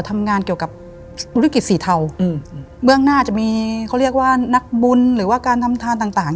ทำงานเกี่ยวกับธุรกิจสีเทาอืมเบื้องหน้าจะมีเขาเรียกว่านักบุญหรือว่าการทำทานต่างต่าง